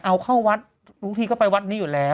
เอาเข้าวัดบางทีก็ไปวัดนี้อยู่แล้ว